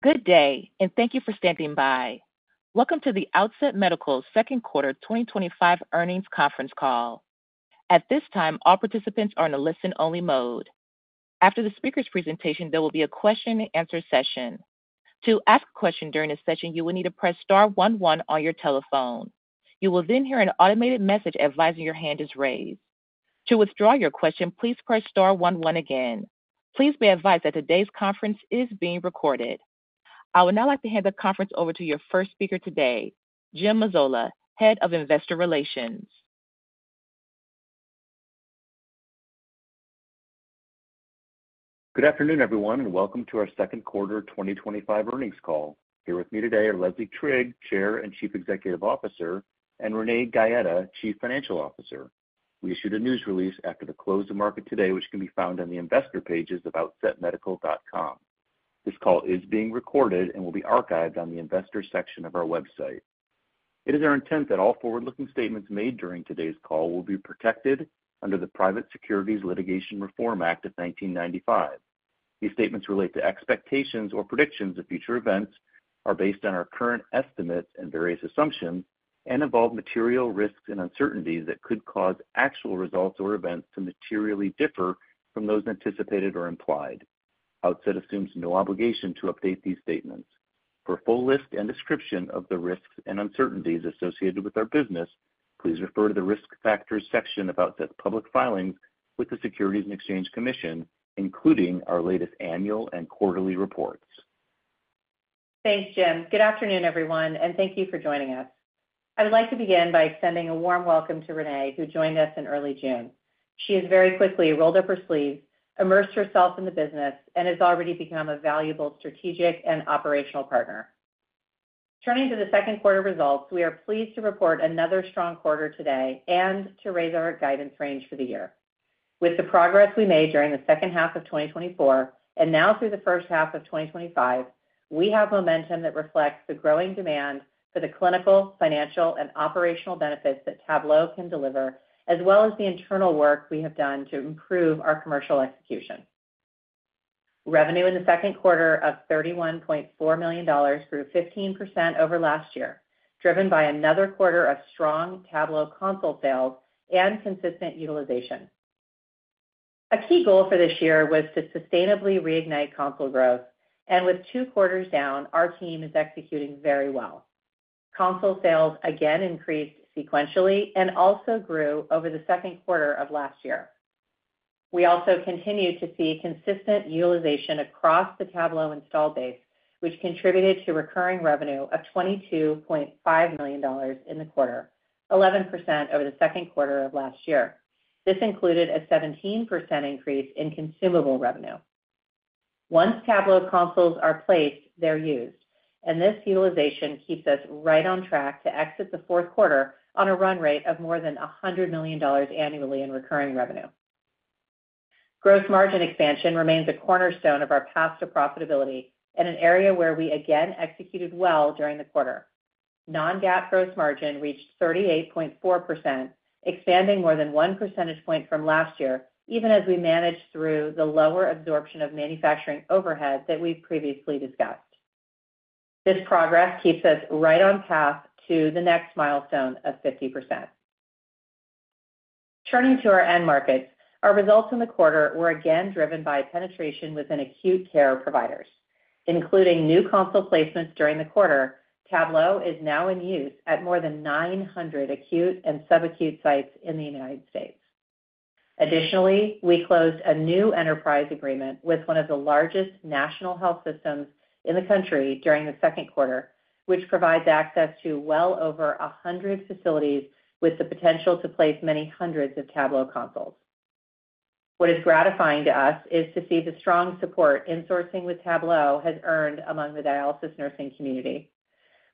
Good day, and thank you for standing by. Welcome to Outset Medical's Second Quarter 2025 Earnings Conference Call. At this time, all participants are in a listen-only mode. After the speaker's presentation, there will be a question-and-answer session. To ask a question during this session, you will need to press star one one on your telephone. You will then hear an automated message advising your hand is raised. To withdraw your question, please press star one one again. Please be advised that today's conference is being recorded. I would now like to hand the conference over to your first speaker today, Jim Mazzola, Head of Investor Relations. Good afternoon, everyone, and welcome to our second quarter 2025 earnings call. Here with me today are Leslie Trigg, Chair and Chief Executive Officer, and Renee Gaeta, Chief Financial Officer. We issued a news release after the close of market today, which can be found on the investor pages of outsetmedical.com. This call is being recorded and will be archived on the investor section of our website. It is our intent that all forward-looking statements made during today's call will be protected under the Private Securities Litigation Reform Act of 1995. These statements relate to expectations or predictions of future events, are based on our current estimates and various assumptions, and involve material risks and uncertainties that could cause actual results or events to materially differ from those anticipated or implied. Outset assumes no obligation to update these statements. For a full list and description of the risks and uncertainties associated with our business, please refer to the Risk Factors section of Outset's public filings with the Securities and Exchange Commission, including our latest annual and quarterly reports. Thanks, Jim. Good afternoon, everyone, and thank you for joining us. I would like to begin by extending a warm welcome to Renee, who joined us in early June. She has very quickly rolled up her sleeves, immersed herself in the business, and has already become a valuable strategic and operational partner. Turning to the second quarter results, we are pleased to report another strong quarter today and to raise our guidance range for the year. With the progress we made during the second half of 2024 and now through the first half of 2025, we have momentum that reflects the growing demand for the clinical, financial, and operational benefits that Tablo can deliver, as well as the internal work we have done to improve our commercial execution. Revenue in the second quarter of $31.4 million grew 15% over last year, driven by another quarter of strong Tablo console sales and consistent utilization. A key goal for this year was to sustainably reignite console growth, and with two quarters down, our team is executing very well. Console sales again increased sequentially and also grew over the second quarter of last year. We also continued to see consistent utilization across the Tablo install base, which contributed to recurring revenue of $22.5 million in the quarter, 11% over the second quarter of last year. This included a 17% increase in consumable revenue. Once Tablo consoles are placed, they're used, and this utilization keeps us right on track to exit the fourth quarter on a run rate of more than $100 million annually in recurring revenue. Gross margin expansion remains a cornerstone of our path to profitability and an area where we again executed well during the quarter. Non-GAAP gross margin reached 38.4%, expanding more than one percentage point from last year, even as we managed through the lower absorption of manufacturing overhead that we've previously discussed. This progress keeps us right on path to the next milestone of 50%. Turning to our end markets, our results in the quarter were again driven by penetration within acute care providers. Including new console placements during the quarter, Tablo is now in use at more than 900 acute and subacute sites in the United States. Additionally, we closed a new enterprise agreement with one of the largest national health systems in the country during the second quarter, which provides access to well over 100 facilities with the potential to place many hundreds of Tablo consoles. What is gratifying to us is to see the strong support insourcing with Tablo has earned among the dialysis nursing community.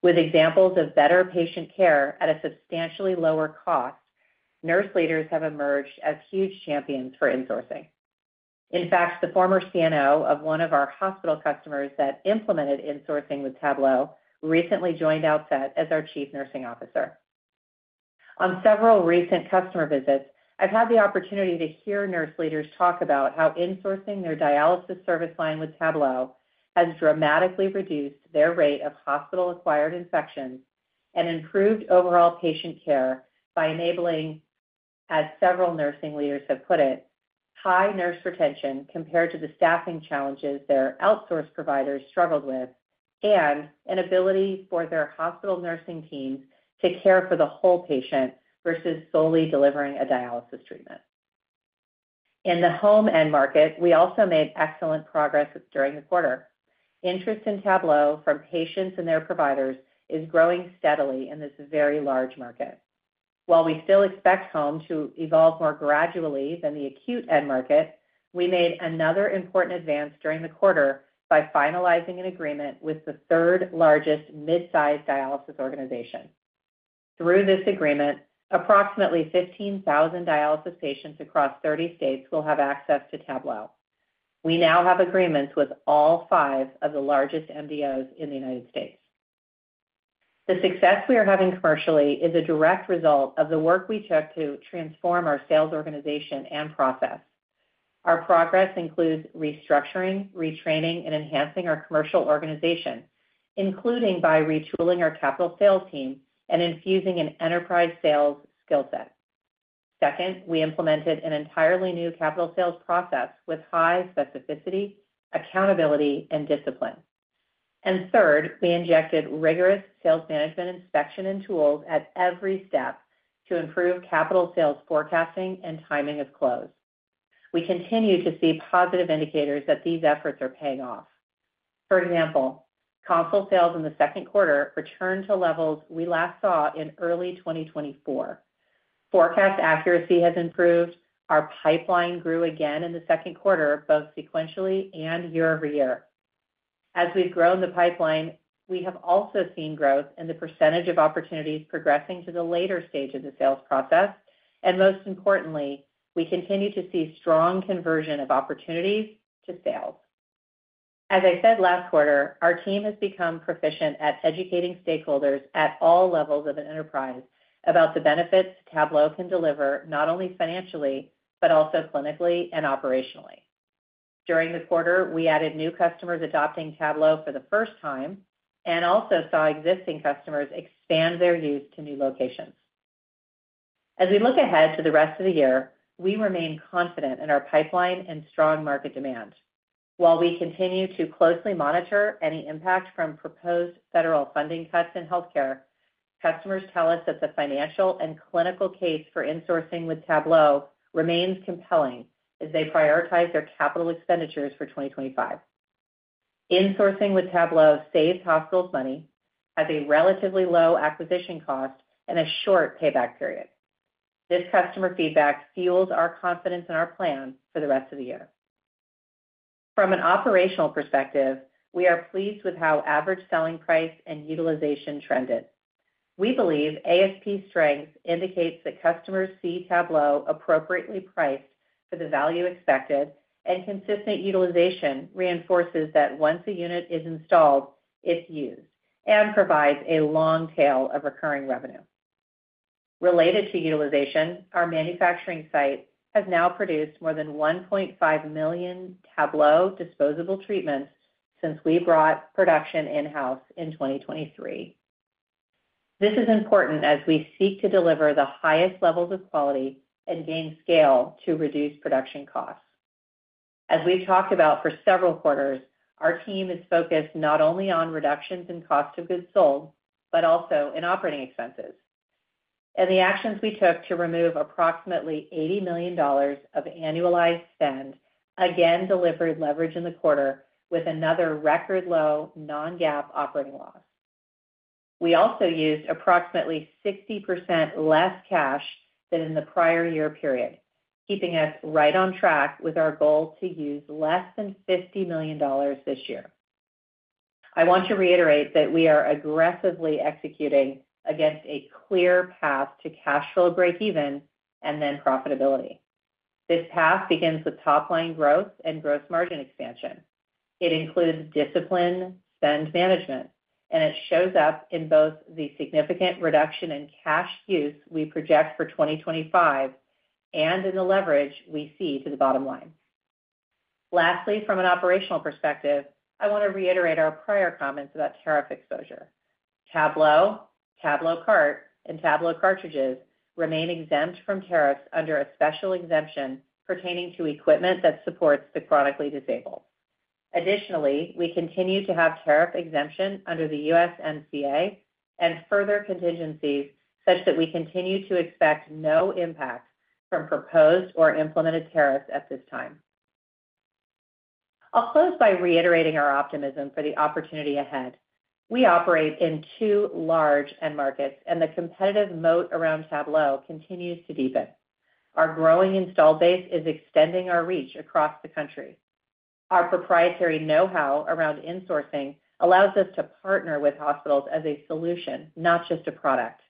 With examples of better patient care at a substantially lower cost, nurse leaders have emerged as huge champions for insourcing. In fact, the former CNO of one of our hospital customers that implemented insourcing with Tablo recently joined Outset as our Chief Nursing Officer. On several recent customer visits, I've had the opportunity to hear nurse leaders talk about how insourcing their dialysis service line with Tablo has dramatically reduced their rate of hospital-acquired infections and improved overall patient care by enabling, as several nursing leaders have put it, high nurse retention compared to the staffing challenges their outsourced providers struggled with, and an ability for their hospital nursing teams to care for the whole patient versus solely delivering a dialysis treatment. In the home end market, we also made excellent progress during the quarter. Interest in Tablo from patients and their providers is growing steadily in this very large market. While we still expect home to evolve more gradually than the acute end market, we made another important advance during the quarter by finalizing an agreement with the third largest mid-sized dialysis organization. Through this agreement, approximately 15,000 dialysis stations across 30 states will have access to Tablo. We now have agreements with all five of the largest MDOs in the U.S. The success we are having commercially is a direct result of the work we took to transform our sales organization and process. Our progress includes restructuring, retraining, and enhancing our commercial organization, including by retooling our capital sales team and infusing an enterprise sales skill set. We implemented an entirely new capital sales process with high specificity, accountability, and discipline. We injected rigorous sales management inspection and tools at every step to improve capital sales forecasting and timing of close. We continue to see positive indicators that these efforts are paying off. For example, console sales in the second quarter returned to levels we last saw in early 2024. Forecast accuracy has improved. Our pipeline grew again in the second quarter, both sequentially and year-over-year. As we've grown the pipeline, we have also seen growth in the percentage of opportunities progressing to the later stages of the sales process, and most importantly, we continue to see strong conversion of opportunities to sales. As I said last quarter, our team has become proficient at educating stakeholders at all levels of an enterprise about the benefits Tablo can deliver, not only financially, but also clinically and operationally. During the quarter, we added new customers adopting Tablo for the first time and also saw existing customers expand their use to new locations. As we look ahead to the rest of the year, we remain confident in our pipeline and strong market demand. While we continue to closely monitor any impact from proposed federal funding cuts in healthcare, customers tell us that the financial and clinical case for insourcing with Tablo remains compelling as they prioritize their capital expenditures for 2025. Insourcing with Tablo saves hospitals money, has a relatively low acquisition cost, and a short payback period. This customer feedback fuels our confidence in our plan for the rest of the year. From an operational perspective, we are pleased with how average selling price and utilization trended. We believe ASP strength indicates that customers see Tablo appropriately priced for the value expected, and consistent utilization reinforces that once a unit is installed, it's used and provides a long tail of recurring revenue. Related to utilization, our manufacturing site has now produced more than 1.5 million Tablo disposable treatments since we brought production in-house in 2023. This is important as we seek to deliver the highest levels of quality and gain scale to reduce production costs. As we've talked about for several quarters, our team is focused not only on reductions in cost of goods sold, but also in operating expenses. The actions we took to remove approximately $80 million of annualized spend again delivered leverage in the quarter with another record low non-GAAP operating loss. We also used approximately 60% less cash than in the prior year period, keeping us right on track with our goal to use less than $50 million this year. I want to reiterate that we are aggressively executing against a clear path to cash flow breakeven and then profitability. This path begins with top-line growth and gross margin expansion. It includes discipline and management, and it shows up in both the significant reduction in cash use we project for 2025 and in the leverage we see to the bottom line. Lastly, from an operational perspective, I want to reiterate our prior comments about tariff exposure. Tablo, TabloCart, and Tablo Cartridges remain exempt from tariffs under a special exemption pertaining to equipment that supports the chronically disabled. Additionally, we continue to have tariff exemption under the USMCA and further contingencies such that we continue to expect no impact from proposed or implemented tariffs at this time. I will close by reiterating our optimism for the opportunity ahead. We operate in two large end markets, and the competitive moat around Tablo continues to deepen. Our growing install base is extending our reach across the country. Our proprietary know-how around insourcing allows us to partner with hospitals as a solution, not just a product.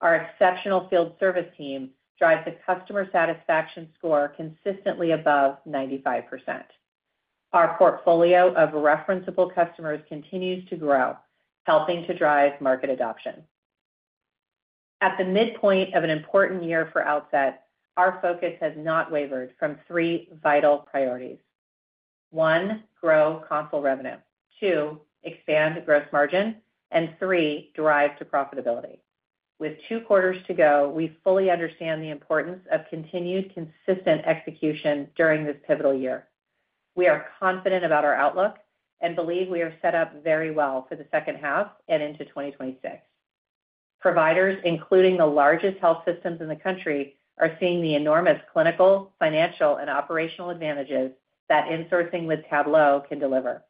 Our exceptional field service team drives the customer satisfaction score consistently above 95%. Our portfolio of referenceable customers continues to grow, helping to drive market adoption. At the midpoint of an important year for Outset, our focus has not wavered from three vital priorities: one, grow console revenue; two, expand gross margin; and three, drive to profitability. With two quarters to go, we fully understand the importance of continued consistent execution during this pivotal year. We are confident about our outlook and believe we are set up very well for the second half and into 2026. Providers, including the largest health systems in the country, are seeing the enormous clinical, financial, and operational advantages that insourcing with Tablo can deliver.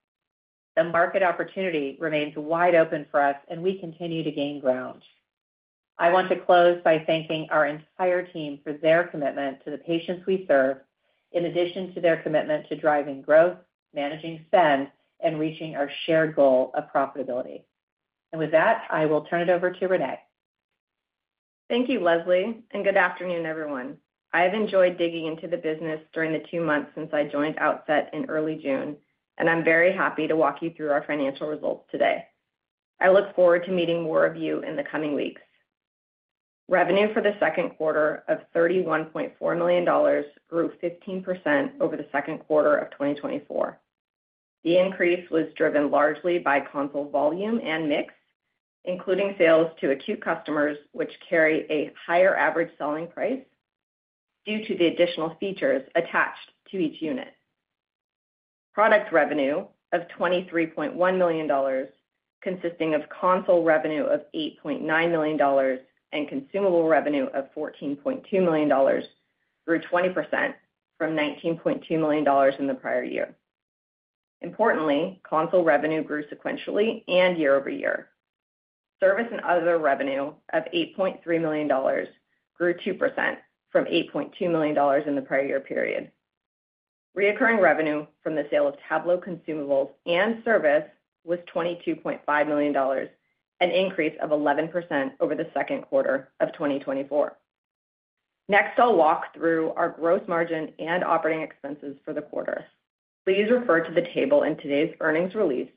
The market opportunity remains wide open for us, and we continue to gain ground. I want to close by thanking our entire team for their commitment to the patients we serve, in addition to their commitment to driving growth, managing spend, and reaching our shared goal of profitability. With that, I will turn it over to Renee. Thank you, Leslie, and good afternoon, everyone. I have enjoyed digging into the business during the two months since I joined Outset in early June, and I'm very happy to walk you through our financial results today. I look forward to meeting more of you in the coming weeks. Revenue for the second quarter of $31.4 million grew 15% over the second quarter of 2024. The increase was driven largely by console volume and mix, including sales to acute customers, which carry a higher average selling price due to the additional features attached to each unit. Product revenue of $23.1 million, consisting of console revenue of $8.9 million and consumable revenue of $14.2 million, grew 20% from $19.2 million in the prior year. Importantly, console revenue grew sequentially and year-over-year. Service and other revenue of $8.3 million grew 2% from $8.2 million in the prior year period. Recurring revenue from the sale of Tablo consumables and service was $22.5 million, an increase of 11% over the second quarter of 2024. Next, I'll walk through our gross margin and operating expenses for the quarter. Please refer to the table in today's earnings release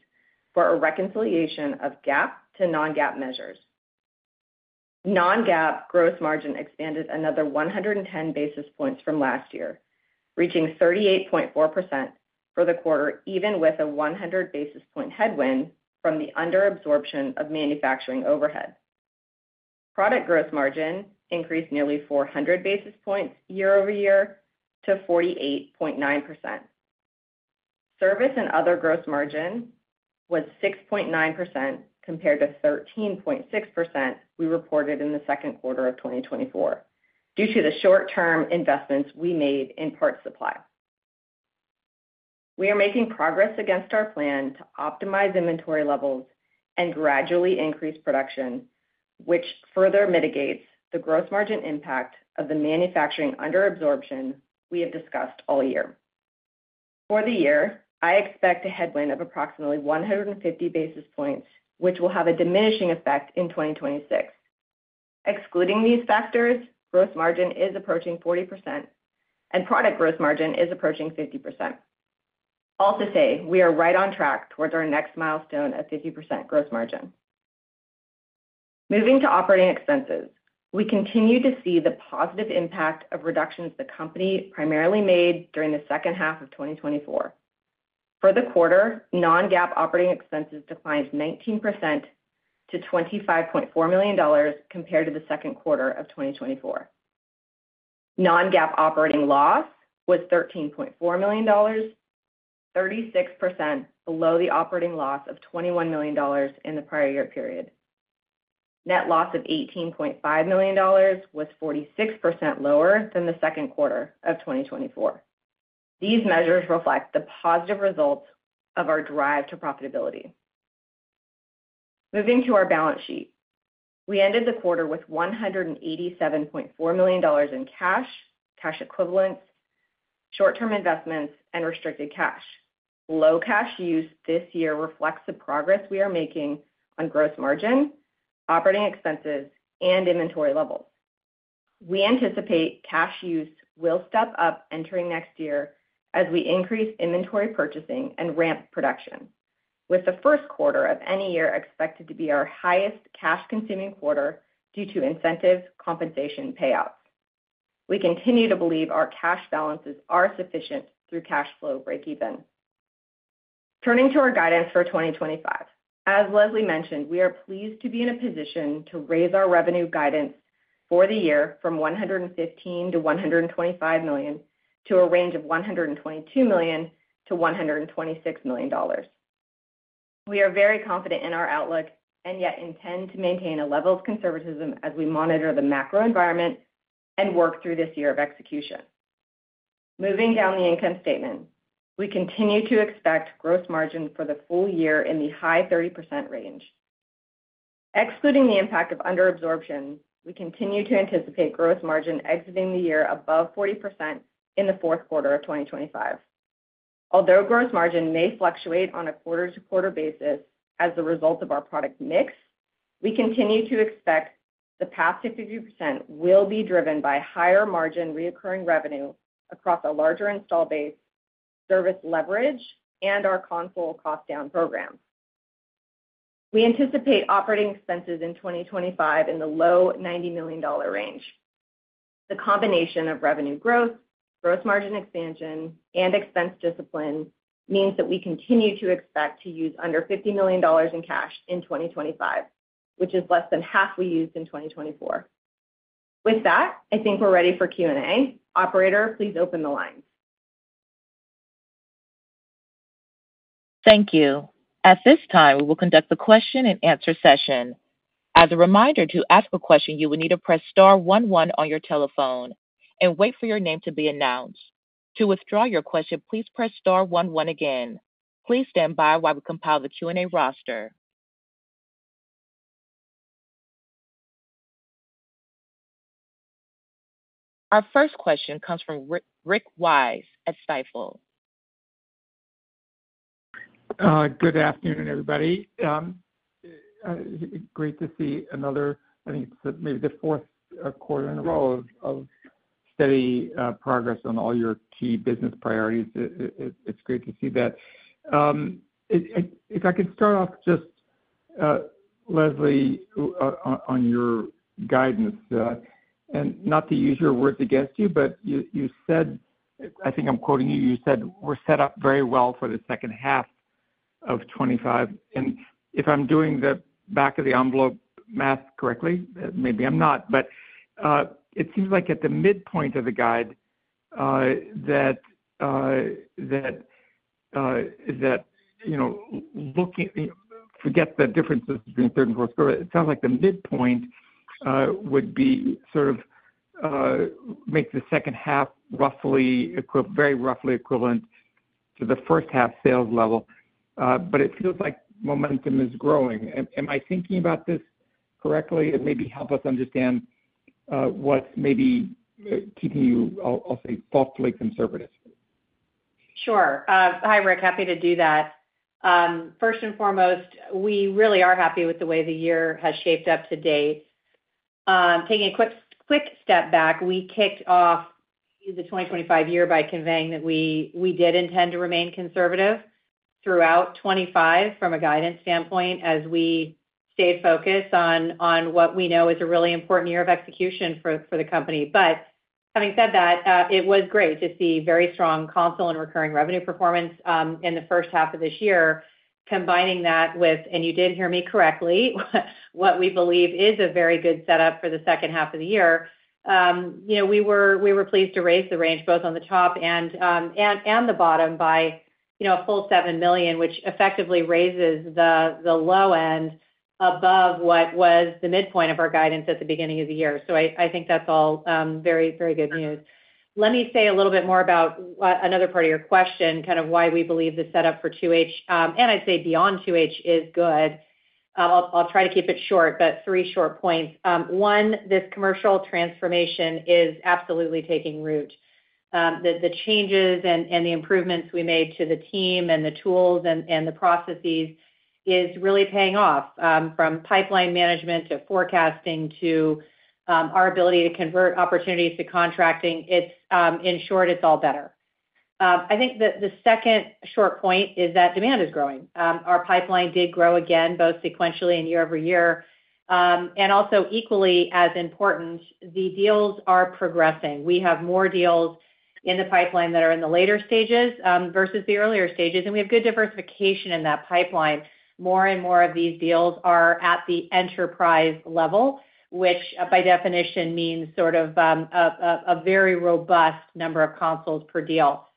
for a reconciliation of GAAP to non-GAAP measures. Non-GAAP gross margin expanded another 110 basis points from last year, reaching 38.4% for the quarter, even with a 100 basis point headwind from the under-absorption of manufacturing overhead. Product gross margin increased nearly 400 basis points year-over-year to 48.9%. Service and other gross margin was 6.9% compared to 13.6% we reported in the second quarter of 2024 due to the short-term investments we made in parts supply. We are making progress against our plan to optimize inventory levels and gradually increase production, which further mitigates the gross margin impact of the manufacturing under-absorption we have discussed all year. For the year, I expect a headwind of approximately 150 basis points, which will have a diminishing effect in 2026. Excluding these factors, gross margin is approaching 40%, and product gross margin is approaching 50%. All to say, we are right on track towards our next milestone of 50% gross margin. Moving to operating expenses, we continue to see the positive impact of reductions the company primarily made during the second half of 2024. For the quarter, non-GAAP operating expenses declined 19% to $25.4 million compared to the second quarter of 2024. Non-GAAP operating loss was $13.4 million, 36% below the operating loss of $21 million in the prior year period. Net loss of $18.5 million was 46% lower than the second quarter of 2024. These measures reflect the positive results of our drive to profitability. Moving to our balance sheet, we ended the quarter with $187.4 million in cash, cash equivalents, short-term investments, and restricted cash. Low cash use this year reflects the progress we are making on gross margin, operating expenses, and inventory levels. We anticipate cash use will step up entering next year as we increase inventory purchasing and ramp production, with the first quarter of any year expected to be our highest cash-consuming quarter due to incentives, compensation, and payouts. We continue to believe our cash balances are sufficient through cash flow breakeven. Turning to our guidance for 2025, as Leslie mentioned, we are pleased to be in a position to raise our revenue guidance for the year from $115 million to $125 million to a range of $122 million-$126 million. We are very confident in our outlook and yet intend to maintain a level of conservatism as we monitor the macro environment and work through this year of execution. Moving down the income statement, we continue to expect gross margin for the full year in the high 30% range. Excluding the impact of under-absorption, we continue to anticipate gross margin exiting the year above 40% in the fourth quarter of 2025. Although gross margin may fluctuate on a quarter-to-quarter basis as a result of our product mix, we continue to expect the path to 50% will be driven by higher margin recurring revenue across a larger install base, service leverage, and our console cost-down program. We anticipate operating expenses in 2025 in the low $90 million range. The combination of revenue growth, gross margin expansion, and expense discipline means that we continue to expect to use under $50 million in cash in 2025, which is less than half we used in 2024. With that, I think we're ready for Q&A. Operator, please open the line. Thank you. At this time, we will conduct the question-and-answer session. As a reminder, to ask a question, you will need to press star one one on your telephone and wait for your name to be announced. To withdraw your question, please press star one one again. Please stand by while we compile the Q&A roster. Our first question comes from Rick Wise at Stifel. Good afternoon, everybody. Great to see another, I think it's maybe the fourth quarter in a row of steady progress on all your key business priorities. It's great to see that. If I could start off just, Leslie, on your guidance, and not to use your words against you, but you said, I think I'm quoting you, you said, "We're set up very well for the second half of 2025." If I'm doing the back of the envelope math correctly, maybe I'm not, but it seems like at the midpoint of the guide that, you know, looking at the, forget the differences between third and fourth quarter, it sounds like the midpoint would be sort of make the second half roughly very roughly equivalent to the first half sales level. It feels like momentum is growing. Am I thinking about this correctly? Maybe help us understand what may be keeping you, I'll say, thoughtfully conservative. Sure. Hi, Rick. Happy to do that. First and foremost, we really are happy with the way the year has shaped up to date. Taking a quick step back, we kicked off the 2025 year by conveying that we did intend to remain conservative throughout 2025 from a guidance standpoint as we stayed focused on what we know is a really important year of execution for the company. Having said that, it was great to see very strong console and recurring revenue performance in the first half of this year, combining that with, and you did hear me correctly, what we believe is a very good setup for the second half of the year. We were pleased to raise the range both on the top and the bottom by a full $7 million, which effectively raises the low end above what was the midpoint of our guidance at the beginning of the year. I think that's all very, very good news. Let me say a little bit more about another part of your question, kind of why we believe the setup for 2H, and I'd say beyond 2H, is good. I'll try to keep it short, but three short points. One, this commercial transformation is absolutely taking root. The changes and the improvements we made to the team and the tools and the processes are really paying off. From pipeline management to forecasting to our ability to convert opportunities to contracting, in short, it's all better. I think the second short point is that demand is growing. Our pipeline did grow again, both sequentially and year-over-year. Also, equally as important, the deals are progressing. We have more deals in the pipeline that are in the later stages versus the earlier stages, and we have good diversification in that pipeline. More and more of these deals are at the enterprise level, which by definition means a very robust number of consoles per deal.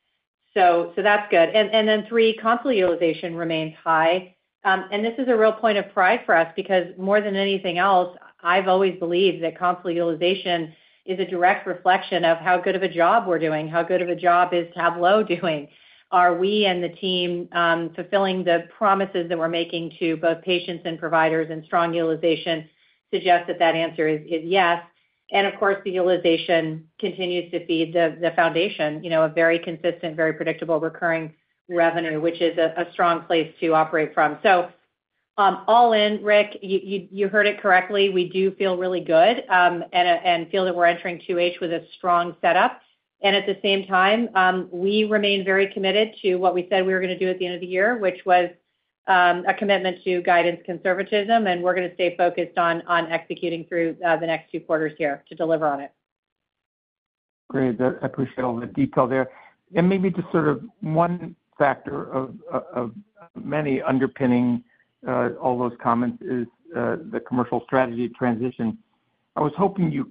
That's good. Three, console utilization remains high. This is a real point of pride for us because more than anything else, I've always believed that console utilization is a direct reflection of how good of a job we're doing, how good of a job is Tablo doing. Are we and the team fulfilling the promises that we're making to both patients and providers, and strong utilization suggests that that answer is yes. Utilization continues to be the foundation of very consistent, very predictable recurring revenue, which is a strong place to operate from. All in, Rick, you heard it correctly. We do feel really good and feel that we're entering 2H with a strong setup. At the same time, we remain very committed to what we said we were going to do at the end of the year, which was a commitment to guidance conservatism, and we're going to stay focused on executing through the next two quarters here to deliver on it. Great. I appreciate all the detail there. Maybe just sort of one factor of many underpinning all those comments is the commercial strategy transition. I was hoping you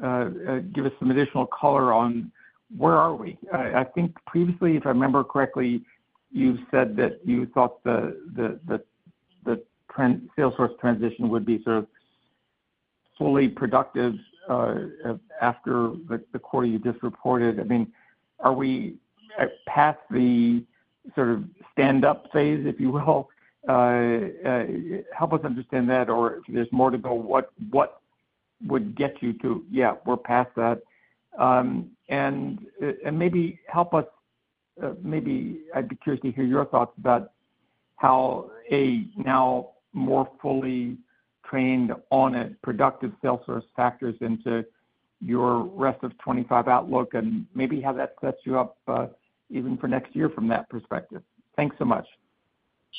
could give us some additional color on where are we. I think previously, if I remember correctly, you said that you thought the salesforce transition would be sort of fully productive after the quarter you just reported. I mean, are we past the sort of stand-up phase, if you will? Help us understand that, or if there's more to go, what would get you to, yeah, we're past that. Maybe I'd be curious to hear your thoughts about how a now more fully trained and productive salesforce factors into your rest of 2025 outlook and maybe how that sets you up even for next year from that perspective. Thanks so much.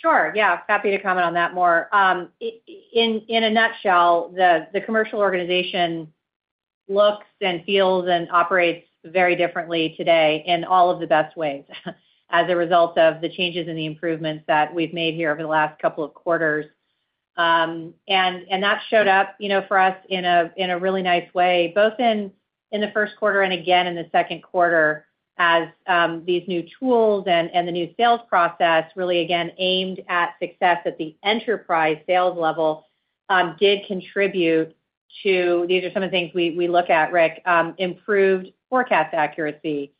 Sure. Happy to comment on that more. In a nutshell, the commercial organization looks and feels and operates very differently today in all of the best ways as a result of the changes and the improvements that we've made here over the last couple of quarters. That showed up for us in a really nice way, both in the first quarter and again in the second quarter, as these new tools and the new sales process really, again, aimed at success at the enterprise sales level did contribute to, these are some of the things we look at, Rick, improved forecast accuracy,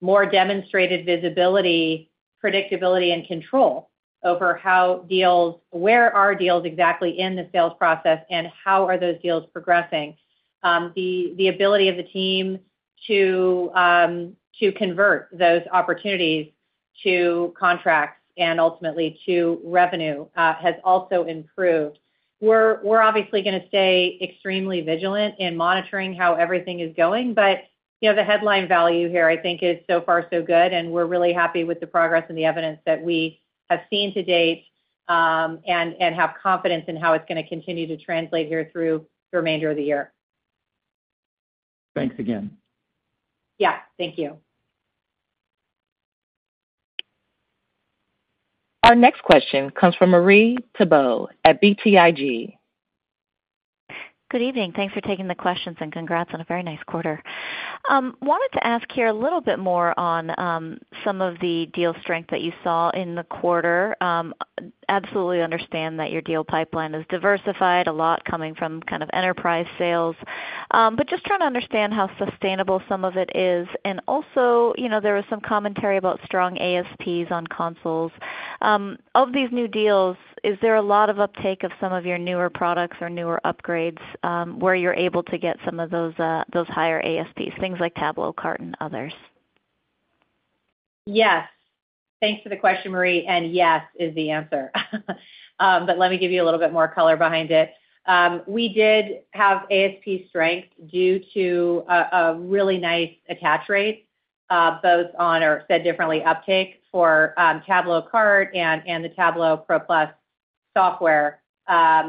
more demonstrated visibility, predictability, and control over how deals, where are deals exactly in the sales process, and how are those deals progressing. The ability of the team to convert those opportunities to contracts and ultimately to revenue has also improved. We're obviously going to stay extremely vigilant in monitoring how everything is going, but the headline value here, I think, is so far so good, and we're really happy with the progress and the evidence that we have seen to date and have confidence in how it's going to continue to translate here through the remainder of the year. Thanks again. Thank you. Our next question comes from Marie Thibault at BTIG. Good evening. Thanks for taking the questions and congrats on a very nice quarter. Wanted to ask here a little bit more on some of the deal strength that you saw in the quarter. Absolutely understand that your deal pipeline is diversified, a lot coming from kind of enterprise sales, just trying to understand how sustainable some of it is. Also, you know, there was some commentary about strong ASPs on consoles. Of these new deals, is there a lot of uptake of some of your newer products or newer upgrades where you're able to get some of those higher ASPs, things like TabloCart and others? Yes. Thanks for the question, Marie, and yes is the answer. Let me give you a little bit more color behind it. We did have ASP strength due to a really nice attach rate, both on, or said differently, uptake for TabloCart and the Tablo PRO+ software,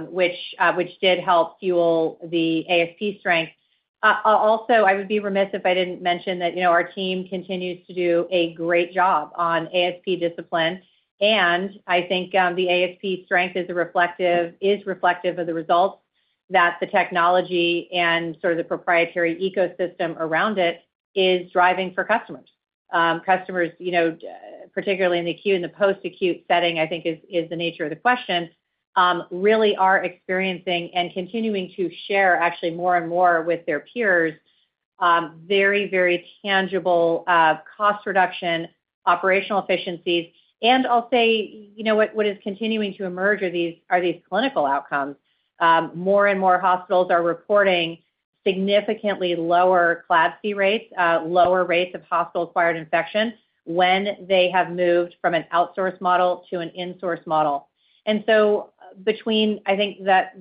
which did help fuel the ASP strength. I would be remiss if I didn't mention that our team continues to do a great job on ASP discipline, and I think the ASP strength is reflective of the results that the technology and sort of the proprietary ecosystem around it is driving for customers. Customers, particularly in the acute and the post-acute setting, I think is the nature of the question, really are experiencing and continuing to share actually more and more with their peers very, very tangible cost reduction, operational efficiencies. I'll say what is continuing to emerge are these clinical outcomes. More and more hospitals are reporting significantly lower CLABSI rates, lower rates of hospital-acquired infection when they have moved from an outsource model to an insourcing model. Between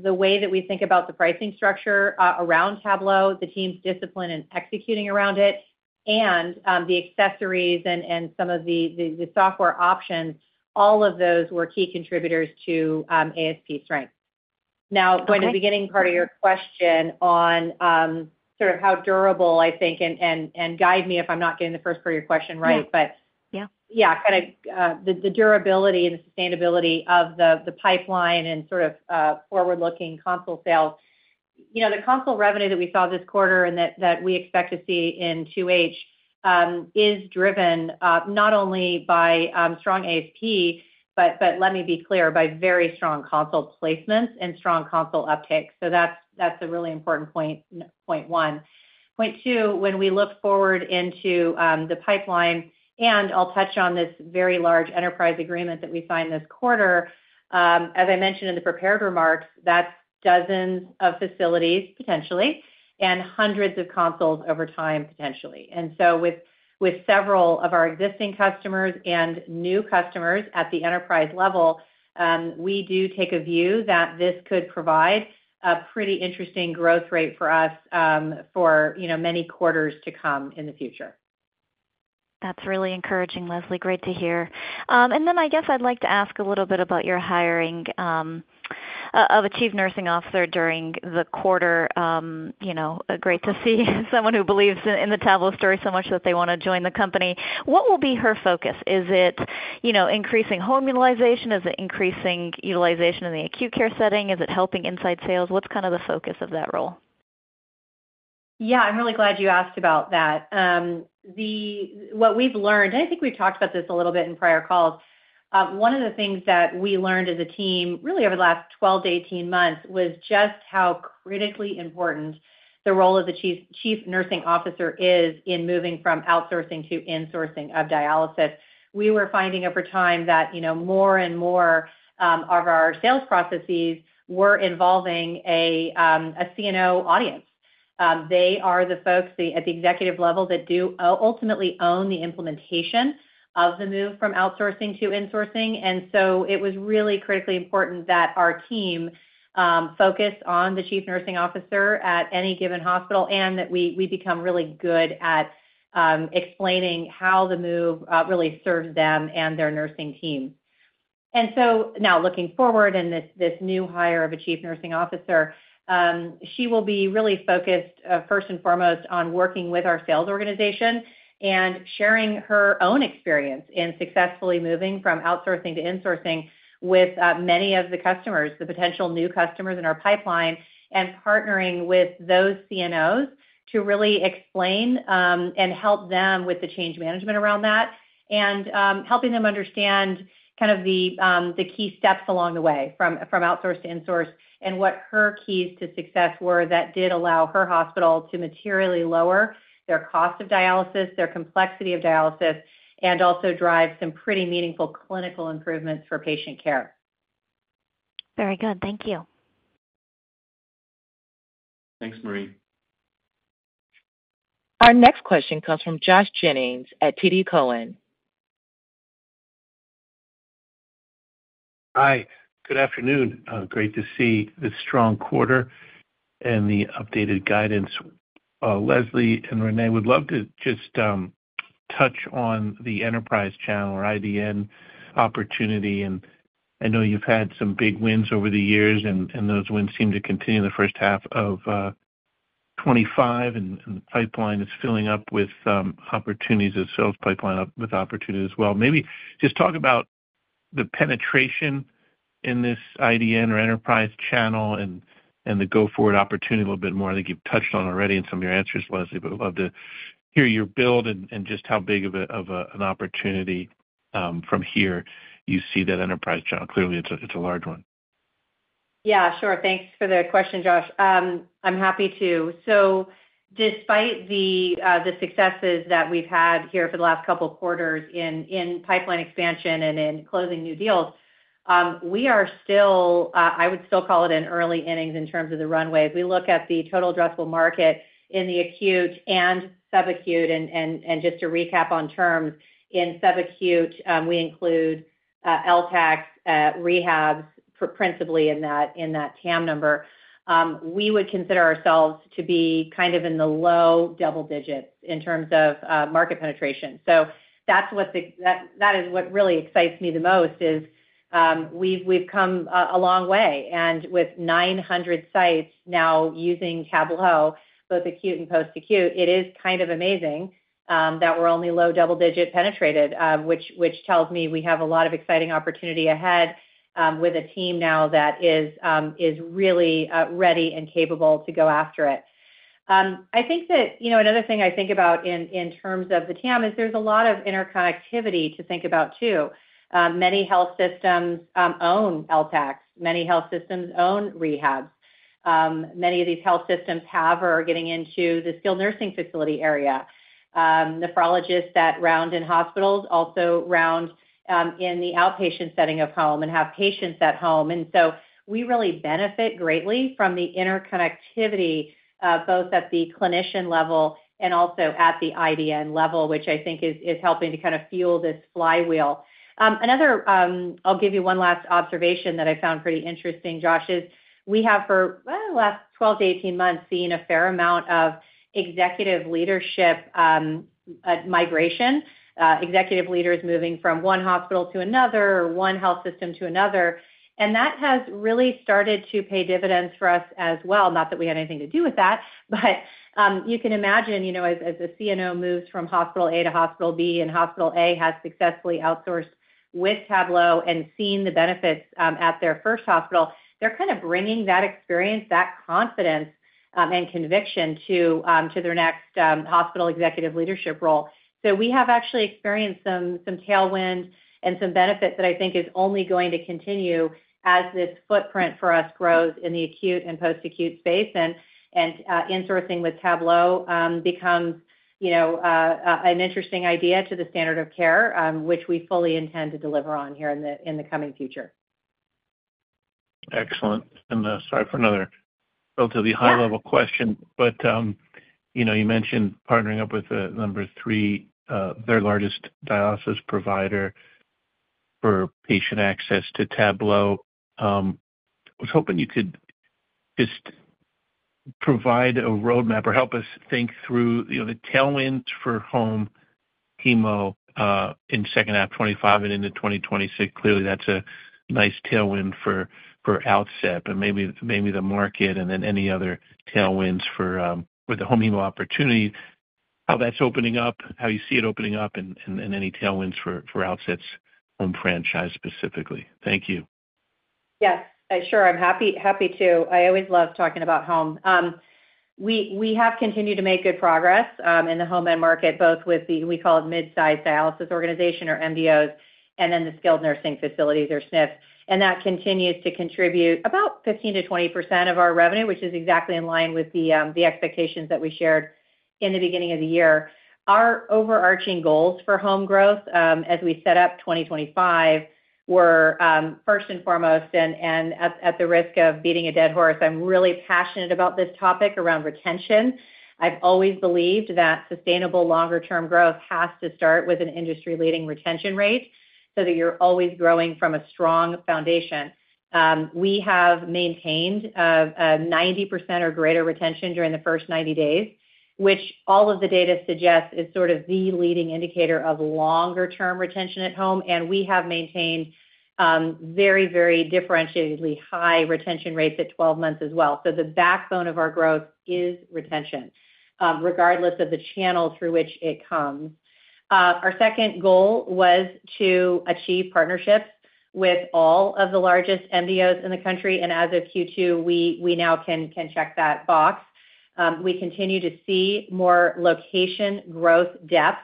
the way that we think about the pricing structure around Tablo, the team's discipline and executing around it, and the accessories and some of the software options, all of those were key contributors to ASP strength. Now, going to the beginning part of your question on sort of how durable, I think, and guide me if I'm not getting the first part of your question right, but yeah, kind of the durability and the sustainability of the pipeline and sort of forward-looking console sales. The console revenue that we saw this quarter and that we expect to see in 2H is driven not only by strong ASP, but let me be clear, by very strong console placements and strong console uptake. That's a really important point, point one. Point two, when we look forward into the pipeline, and I'll touch on this very large enterprise agreement that we signed this quarter, as I mentioned in the prepared remarks, that's dozens of facilities, potentially, and hundreds of consoles over time, potentially. With several of our existing customers and new customers at the enterprise level, we do take a view that this could provide a pretty interesting growth rate for us for many quarters to come in the future. That's really encouraging, Leslie. Great to hear. I guess I'd like to ask a little bit about your hiring of a Chief Nursing Officer during the quarter. Great to see someone who believes in the Tablo story so much that they want to join the company. What will be her focus? Is it increasing home utilization? Is it increasing utilization in the acute care setting? Is it helping inside sales? What's kind of the focus of that role? Yeah, I'm really glad you asked about that. What we've learned, and I think we've talked about this a little bit in prior calls, one of the things that we learned as a team really over the last 12-18 months was just how critically important the role of the Chief Nursing Officer is in moving from outsourcing to insourcing of dialysis. We were finding over time that more and more of our sales processes were involving a CNO audience. They are the folks at the executive level that do ultimately own the implementation of the move from outsourcing to insourcing. It was really critically important that our team focus on the Chief Nursing Officer at any given hospital and that we become really good at explaining how the move really served them and their nursing team. Now looking forward in this new hire of a Chief Nursing Officer, she will be really focused, first and foremost, on working with our sales organization and sharing her own experience in successfully moving from outsourcing to insourcing with many of the customers, the potential new customers in our pipeline, and partnering with those CNOs to really explain and help them with the change management around that and helping them understand the key steps along the way from outsource to insource and what her keys to success were that did allow her hospital to materially lower their cost of dialysis, their complexity of dialysis, and also drive some pretty meaningful clinical improvements for patient care. Very good. Thank you. Thanks, Marie. Our next question comes from Josh Jennings at TD Cowen. Hi. Good afternoon. Great to see the strong quarter and the updated guidance. Leslie and Renee, I would love to just touch on the enterprise channel or IDN opportunity. I know you've had some big wins over the years, and those wins seem to continue in the first half of 2025, and the pipeline is filling up with opportunities as well. Maybe just talk about the penetration in this IDN or enterprise channel and the go-forward opportunity a little bit more that you've touched on already in some of your answers, Leslie, but I'd love to hear your build and just how big of an opportunity from here you see that enterprise channel. Clearly, it's a large one. Yeah, sure. Thanks for the question, Josh. I'm happy to. Despite the successes that we've had here for the last couple of quarters in pipeline expansion and in closing new deals, I would still call it early innings in terms of the runway. If we look at the total addressable market in the acute and subacute, and just to recap on terms, in subacute, we include LTACs, rehabs, principally in that TAM number. We would consider ourselves to be kind of in the low double digits in terms of market penetration. That's what really excites me the most, we've come a long way. With 900 sites now using Tablo, both acute and post-acute, it is kind of amazing that we're only low double digit penetrated, which tells me we have a lot of exciting opportunity ahead with a team now that is really ready and capable to go after it. Another thing I think about in terms of the TAM is there's a lot of interconnectivity to think about too. Many health systems own LTACs. Many health systems own rehabs. Many of these health systems have or are getting into the skilled nursing facility area. Nephrologists that round in hospitals also round in the outpatient setting of home and have patients at home. We really benefit greatly from the interconnectivity both at the clinician level and also at the IDN level, which I think is helping to kind of fuel this flywheel. I'll give you one last observation that I found pretty interesting, Josh. For the last 12-18 months, we've seen a fair amount of executive leadership migration, executive leaders moving from one hospital to another or one health system to another. That has really started to pay dividends for us as well. Not that we had anything to do with that, but you can imagine, as a CNO moves from hospital A to hospital B and hospital A has successfully outsourced with Tablo and seen the benefits at their first hospital, they're kind of bringing that experience, that confidence, and conviction to their next hospital executive leadership role. We have actually experienced some tailwind and some benefit that I think is only going to continue as this footprint for us grows in the acute and post-acute space. Insourcing with Tablo becomes an interesting idea to the standard of care, which we fully intend to deliver on here in the coming future. Excellent. Sorry for another relatively high-level question, but you know, you mentioned partnering up with the number three, their largest dialysis provider for patient access to Tablo. I was hoping you could just provide a roadmap or help us think through the tailwinds for home hemo in the second half of 2025 and into 2026. Clearly, that's a nice tailwind for Outset, but maybe the market and then any other tailwinds for the home hemo opportunity, how that's opening up, how you see it opening up, and any tailwinds for Outset's home franchise specifically. Thank you. Yes. Sure. I'm happy to. I always love talking about home. We have continued to make good progress in the home market, both with the, we call it, mid-sized dialysis organizations or MDOs, and then the skilled nursing facilities or SNFs. That continues to contribute about 15%-20% of our revenue, which is exactly in line with the expectations that we shared in the beginning of the year. Our overarching goals for home growth as we set up 2025 were first and foremost, and at the risk of beating a dead horse, I'm really passionate about this topic around retention. I've always believed that sustainable longer-term growth has to start with an industry-leading retention rate so that you're always growing from a strong foundation. We have maintained a 90% or greater retention during the first 90 days, which all of the data suggests is sort of the leading indicator of longer-term retention at home. We have maintained very, very differentiatedly high retention rates at 12 months as well. The backbone of our growth is retention, regardless of the channel through which it comes. Our second goal was to achieve partnership with all of the largest MDOs in the country. As of Q2, we now can check that box. We continue to see more location growth depth.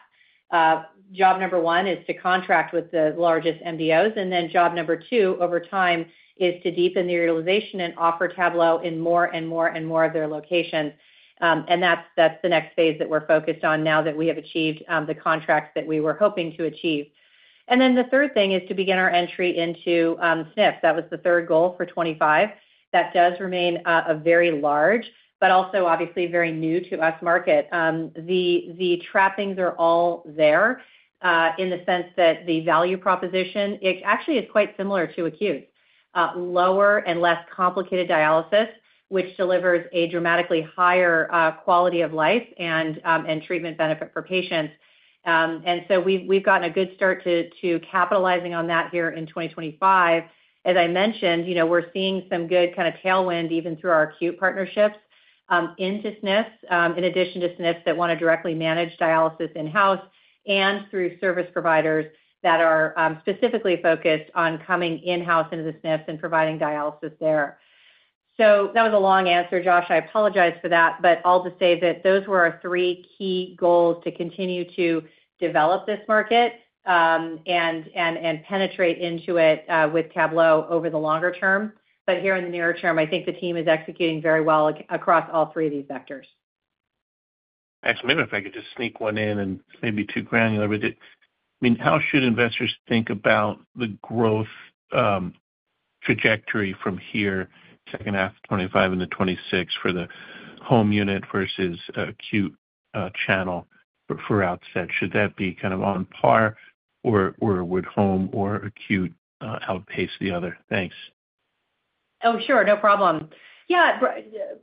Job number one is to contract with the largest MDOs. Job number two, over time, is to deepen the utilization and offer Tablo in more and more and more of their locations. That's the next phase that we're focused on now that we have achieved the contracts that we were hoping to achieve. The third thing is to begin our entry into SNFs. That was the third goal for 2025. That does remain a very large, but also obviously very new to us market. The trappings are all there in the sense that the value proposition, it actually is quite similar to acute. Lower and less complicated dialysis, which delivers a dramatically higher quality of life and treatment benefit for patients. We've gotten a good start to capitalizing on that here in 2025. As I mentioned, we're seeing some good kind of tailwind even through our acute partnerships into SNFs, in addition to SNFs that want to directly manage dialysis in-house and through service providers that are specifically focused on coming in-house into the SNFs and providing dialysis there. That was a long answer, Josh. I apologize for that, but all to say that those were our three key goals to continue to develop this market and penetrate into it with Tablo over the longer term. Here in the nearer term, I think the team is executing very well across all three of these vectors. Excellent. Maybe if I could just sneak one in and maybe too granular, but I mean, how should investors think about the growth trajectory from here, second half of 2025 into 2026 for the home unit versus acute channel for Outset? Should that be kind of on par, or would home or acute outpace the other? Thanks. Oh, sure. No problem. Yeah,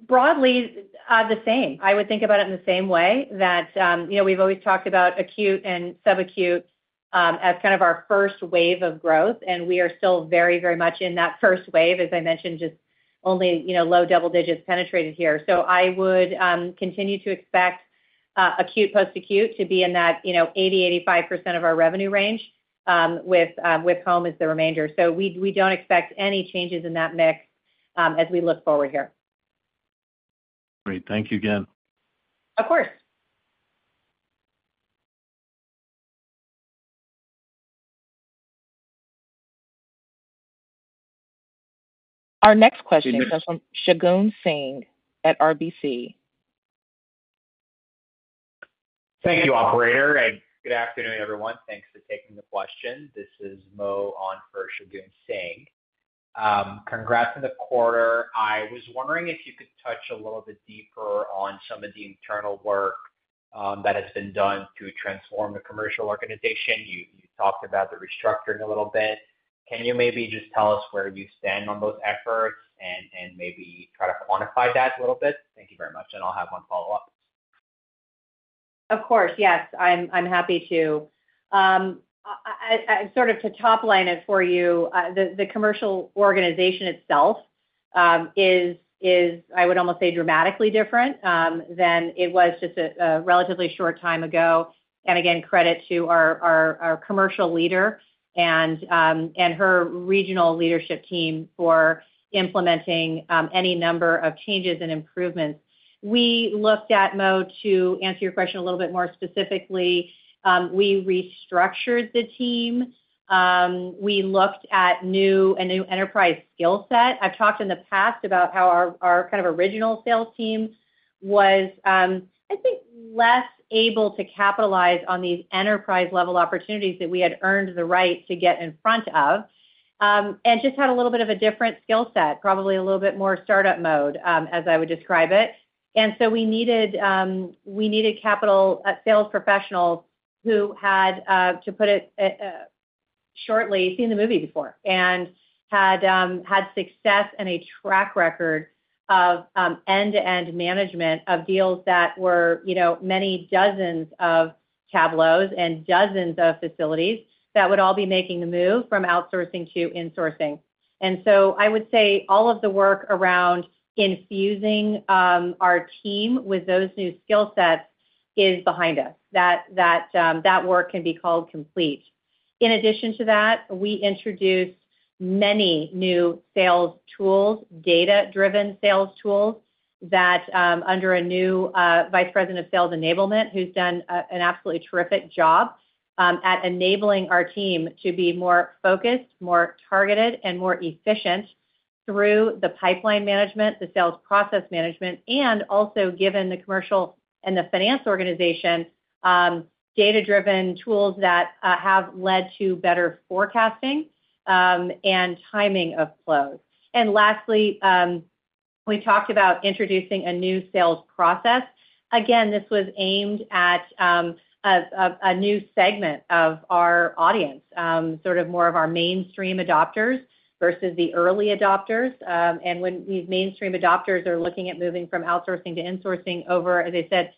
broadly, the same. I would think about it in the same way that, you know, we've always talked about acute and subacute as kind of our first wave of growth. We are still very, very much in that first wave, as I mentioned, just only, you know, low double digits penetrated here. I would continue to expect acute post-acute to be in that, you know, 80, 85% of our revenue range with home as the remainder. We don't expect any changes in that mix as we look forward here. Great. Thank you again. Of course. Our next question comes from Shagun Singh at RBC. Thank you, Operator. Good afternoon, everyone. Thanks for taking the question. This is Mo on for Shagun Singh. Congrats on the quarter. I was wondering if you could touch a little bit deeper on some of the internal work that has been done to transform the commercial organization. You talked about the restructuring a little bit. Can you maybe just tell us where you stand on those efforts and maybe try to quantify that a little bit? Thank you very much. I'll have one follow-up. Of course. Yes. I'm happy to. I'm sort of to topline it for you. The commercial organization itself is, I would almost say, dramatically different than it was just a relatively short time ago. Again, credit to our commercial leader and her regional leadership team for implementing any number of changes and improvements. We looked at, Mo, to answer your question a little bit more specifically, we restructured the team. We looked at a new enterprise skill set. I've talked in the past about how our kind of original sales team was, I think, less able to capitalize on the enterprise-level opportunities that we had earned the right to get in front of and just had a little bit of a different skill set, probably a little bit more startup mode, as I would describe it. We needed capital sales professionals who had, to put it shortly, seen the movie before and had had success and a track record of end-to-end management of deals that were, you know, many dozens of Tablo systems and dozens of facilities that would all be making the move from outsourcing to insourcing. I would say all of the work around infusing our team with those new skill sets is behind us. That work can be called complete. In addition to that, we introduced many new sales tools, data-driven sales tools that, under a new Vice President of Sales Enablement, who's done an absolutely terrific job at enabling our team to be more focused, more targeted, and more efficient through the pipeline management, the sales process management, and also given the commercial and the finance organization, data-driven tools that have led to better forecasting and timing of flows. Lastly, we talked about introducing a new sales process. This was aimed at a new segment of our audience, sort of more of our mainstream adopters versus the early adopters. When these mainstream adopters are looking at moving from outsourcing to insourcing over, as I said,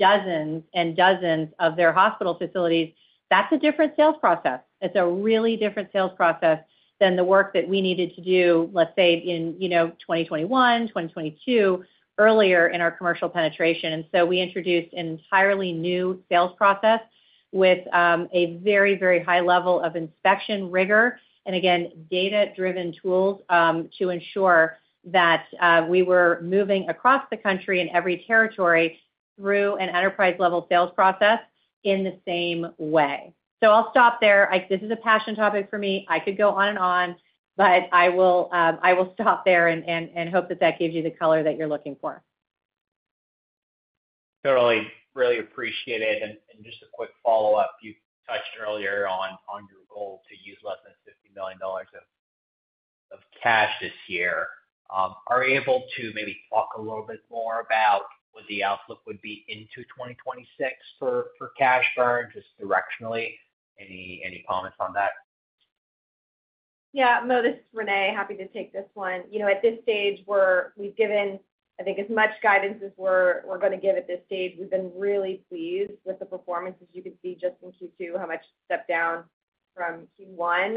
dozens and dozens of their hospital facilities, that's a different sales process. It's a really different sales process than the work that we needed to do, let's say, in, you know, 2021, 2022, earlier in our commercial penetration. We introduced an entirely new sales process with a very, very high level of inspection rigor and, again, data-driven tools to ensure that we were moving across the country in every territory through an enterprise-level sales process in the same way. I'll stop there. This is a passion topic for me. I could go on and on, but I will stop there and hope that that gives you the color that you're looking for. Really appreciate it. Just a quick follow-up. You touched earlier on your goal to use less than $50 million of cash this year. Are you able to maybe talk a little bit more about what the outlook would be into 2026 for cash burn just directionally? Any comments on that? Yeah. No, this is Renee. Happy to take this one. At this stage, we've given, I think, as much guidance as we're going to give at this stage. We've been really pleased with the performances. You can see just in Q2 how much it's stepped down from Q1,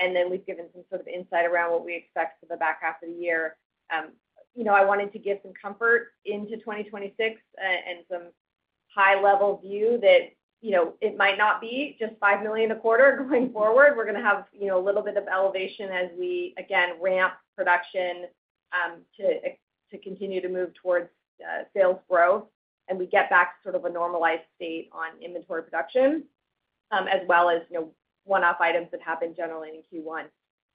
and then we've given some sort of insight around what we expect for the back half of the year. I wanted to give some comfort into 2026 and some high-level view that it might not be just $5 million a quarter going forward. We're going to have a little bit of elevation as we, again, ramp production to continue to move towards sales growth and we get back to sort of a normalized state on inventory production, as well as one-off items that happen generally in Q1.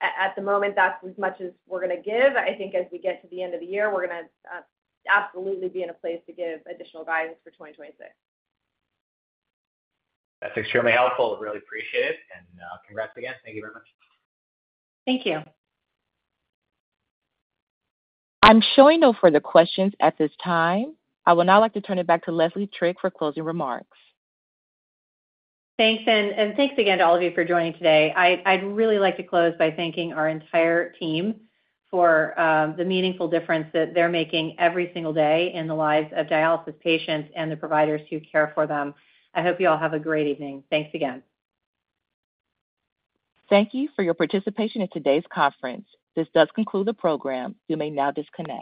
At the moment, that's as much as we're going to give. I think as we get to the end of the year, we're going to absolutely be in a place to give additional guidance for 2026. That's extremely helpful. Really appreciate it. Congrats again. Thank you very much. Thank you. I'm showing no further questions at this time. I would now like to turn it back to Leslie Trigg for closing remarks. Thanks. Thanks again to all of you for joining today. I'd really like to close by thanking our entire team for the meaningful difference that they're making every single day in the lives of dialysis patients and the providers who care for them. I hope you all have a great evening. Thanks again. Thank you for your participation in today's conference. This does conclude the program. You may now disconnect.